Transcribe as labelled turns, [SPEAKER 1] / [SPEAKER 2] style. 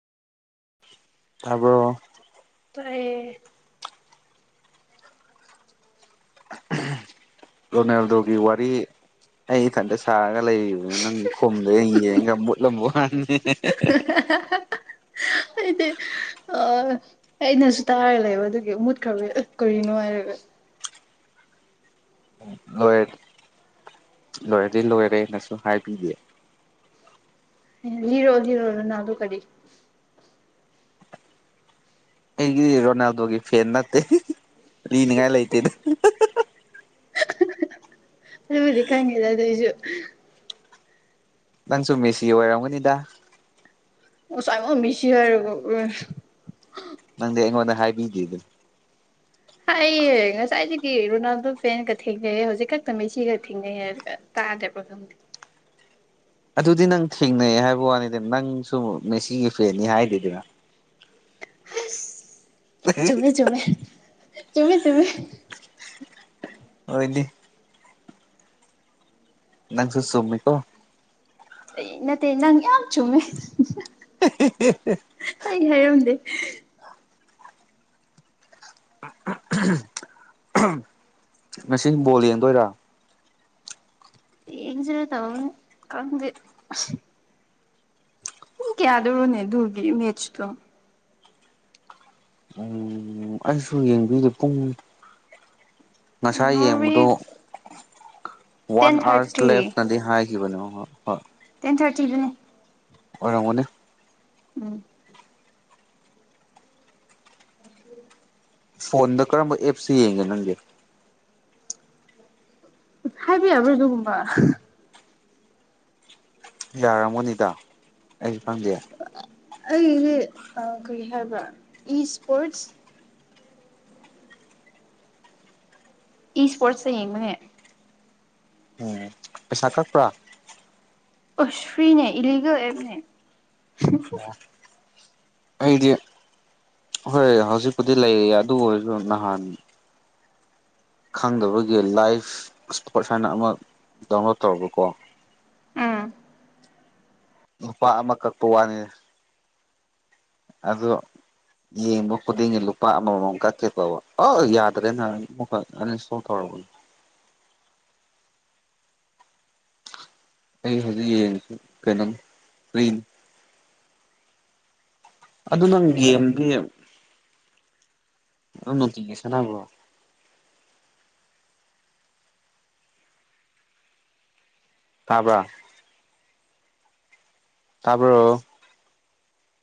[SPEAKER 1] ꯇꯥꯕ꯭ꯔꯣ
[SPEAKER 2] ꯇ [unintelligible]
[SPEAKER 1] ꯔꯣꯅꯦꯜꯗꯣꯒꯤ ꯋꯥꯔꯤ ꯑꯩ ꯏꯊꯟꯇ ꯁꯥꯔꯒ ꯂꯩꯔꯤꯕꯅꯤ ꯅꯪꯒꯤ ꯈꯣꯨꯝꯗꯦꯅ ꯌꯦꯡꯉꯒ ꯃꯨꯠꯂꯝꯕ ꯋꯥꯅꯤ ꯍꯦꯍꯦꯍꯦ
[SPEAKER 2] [unintelligible] ꯑꯩꯗꯤ ꯑꯥ ꯑꯩꯅꯁꯨ ꯇꯥꯔꯒ ꯂꯩꯕ ꯑꯗꯨꯒꯤ ꯃꯨꯠꯈ꯭ꯔꯕ ꯑꯦ ꯀꯔꯤꯅꯣ ꯍꯥꯏꯔꯒ
[SPEAKER 1] ꯂꯣꯏꯔꯗꯤ ꯂꯣꯏꯔꯗꯤ ꯂꯣꯏꯔꯦꯅꯁꯨ ꯍꯥꯏꯕꯤꯗꯦ
[SPEAKER 2] ꯑꯩꯅ ꯂꯤꯔꯣ ꯂꯤꯔꯣ ꯔꯣꯅꯥꯜꯗꯣ ꯀꯔꯤ
[SPEAKER 1] ꯑꯩꯒꯤꯗꯤ ꯔꯣꯅꯥꯜꯗꯣꯒꯤ ꯐꯦꯟ ꯅꯠꯇꯦ ꯍꯤꯍꯤ ꯂꯤꯅꯤꯡꯉꯥꯏ ꯂꯩꯇꯦꯗ ꯍꯤꯍꯤ
[SPEAKER 2] ꯑꯍꯤꯍꯤ ꯅꯪꯕꯨꯗꯤ ꯈꯪꯉꯤꯗ ꯑꯗꯨꯏꯁꯨꯨ
[SPEAKER 1] ꯅꯪꯁꯨꯨ ꯃꯦꯁꯤ ꯑꯣꯏꯔꯝꯒꯅꯤꯗ
[SPEAKER 2] [unintelligible]
[SPEAKER 1] ꯅꯪꯗꯤ ꯑꯩꯉꯣꯟꯗ ꯍꯥꯏꯕꯤꯗꯦ ꯑꯗꯨ
[SPEAKER 2] ꯍꯥꯏꯌꯦ ꯉꯁꯥꯏꯗꯒꯤ ꯔꯣꯅꯥꯜꯗꯣ ꯐꯦꯟꯒ ꯊꯦꯡꯅꯩꯌꯦ ꯍꯧꯖꯤꯛ ꯈꯛꯇ ꯃꯦꯁꯤꯒ ꯊꯦꯡꯅꯩ ꯍꯥꯏꯔꯒ ꯇꯗꯕ꯭ꯔꯥ ꯈꯪꯗꯦ
[SPEAKER 1] ꯑꯗꯨꯗꯤ ꯅꯪ ꯊꯦꯡꯅꯩ ꯍꯥꯏꯕ ꯋꯥꯅꯤꯗ ꯅꯪꯁꯨ ꯃꯦꯁꯤꯒꯤ ꯐꯦꯟꯅꯤ ꯍꯥꯏꯗꯦꯗꯅ
[SPEAKER 2] ꯆꯨꯝꯃꯦ ꯆꯨꯝꯃꯦ ꯆꯨꯝꯃꯦ ꯆꯨꯝꯃꯦ
[SPEAKER 1] ꯍꯣꯏꯗꯤ ꯅꯪꯁꯨ ꯆꯨꯝꯃꯤꯀꯣ
[SPEAKER 2] ꯑꯩ ꯅꯠꯇꯦ ꯅꯪ ꯌꯥꯝ ꯆꯨꯝꯃꯦ ꯍꯦꯍꯦ
[SPEAKER 1] [unintelligible]
[SPEAKER 2] ꯑꯩ ꯍꯥꯏꯔꯝꯗꯦ
[SPEAKER 1] [unintelligible] ꯉꯁꯤ ꯕꯣꯜ ꯌꯦꯡꯗꯣꯏꯔꯥ
[SPEAKER 2] ꯌꯦꯡꯖꯤꯔ ꯇꯧꯕꯅꯤ ꯈꯪꯗꯦ ꯑꯁ ꯄꯨꯡ ꯀꯌꯥꯗꯔꯣꯅꯦ ꯑꯗꯨꯒꯤ ꯃꯦꯁꯆ ꯇꯣ
[SPEAKER 1] ꯎꯝ ꯎꯝ ꯑꯩꯁꯨ ꯌꯦꯡꯕꯤꯗꯦ ꯄꯨꯡ ꯉꯁꯥꯏ
[SPEAKER 2] ꯅꯣꯔꯋꯦ
[SPEAKER 1] ꯌꯦꯡꯕꯗꯣ ꯋꯥꯟ
[SPEAKER 2] ꯇꯦꯟ
[SPEAKER 1] ꯑꯋꯥꯥ꯭ꯔꯁ
[SPEAKER 2] ꯊꯥꯔꯇꯤ
[SPEAKER 1] ꯂꯦꯐꯅꯥꯗꯤ ꯍꯥꯏꯈꯤꯕꯅꯦ ꯍꯣꯏ ꯍꯣꯏ
[SPEAKER 2] ꯇꯦꯟ ꯊꯥꯔꯇꯤꯗꯅꯦ
[SPEAKER 1] ꯑꯣꯏꯔꯝꯒꯅꯤ
[SPEAKER 2] ꯎꯝ
[SPEAKER 1] ꯐꯣꯟꯗ ꯀꯔꯝꯕ ꯑꯦꯞꯁꯗ ꯌꯦꯡꯒꯦ ꯅꯪꯗꯤ
[SPEAKER 2] ꯍꯥꯏꯕ ꯌꯥꯕ꯭ꯔꯥ ꯑꯗꯨꯒꯨꯝꯕ
[SPEAKER 1] ꯌꯥꯔꯝꯒꯅꯤꯗ ꯑꯩꯁꯨ ꯈꯪꯗꯦ
[SPEAKER 2] ꯑꯩꯗꯤ ꯀꯔꯤ ꯍꯥꯏꯕ꯭ꯔ ꯏ ꯏꯁꯄꯣꯔꯠꯁ ꯏ ꯏꯁꯄꯣ꯭ꯔꯠꯁ ꯇ ꯌꯦꯡꯕꯅꯦ
[SPEAKER 1] ꯎꯝ ꯄꯩꯁꯥ ꯀꯛꯄ꯭ꯔꯥ
[SPEAKER 2] ꯑꯁ ꯐ꯭ꯔꯤꯅꯦ ꯏꯂꯤꯒꯦꯜ ꯑꯦꯞꯅꯦ
[SPEAKER 1] ꯑꯩꯗꯤ ꯍꯣꯏ ꯍꯧꯖꯤꯛꯄꯨꯗꯤ ꯂꯩꯔꯤꯌꯦ ꯑꯗꯨ ꯑꯣꯏꯔꯁꯨ ꯅꯍꯥꯟ ꯈꯪꯗꯕꯒꯤ ꯂꯥꯏꯐ ꯏꯁꯄꯣ꯭ꯔꯠ ꯍꯥꯏꯅ ꯑꯃ ꯗꯥꯎꯟꯂꯣꯗ ꯇꯧꯔꯨꯕꯀꯣ
[SPEAKER 2] ꯎꯝ
[SPEAKER 1] ꯂꯨꯄꯥ ꯑꯃ ꯀꯛꯄ ꯋꯥꯅꯤꯗ ꯑꯗꯣ ꯌꯦꯡꯕ ꯈꯨꯗꯤꯡꯒꯤ ꯂꯨꯄꯥ ꯑꯃꯃꯝ ꯀꯛꯀꯦ ꯇꯧꯕ ꯑꯧ ꯌꯥꯗ꯭ꯔꯦꯅ ꯑꯃꯨꯛꯀꯥ ꯑꯟꯏꯟꯁꯇꯣꯜ ꯇꯧꯔꯕ ꯑꯩ ꯍꯧꯖꯤꯛ ꯌꯦꯡꯁꯤ ꯀꯩꯅꯣ ꯀ꯭ꯔꯤꯟ ꯑꯗꯨ ꯅꯪ ꯒꯦꯝꯗꯤ ꯑꯗꯨꯝ ꯅꯨꯡꯇꯤꯒꯤ ꯁꯟꯅꯕꯔꯣ ꯇꯥꯕꯔꯥ ꯇꯥꯕ꯭ꯔꯣ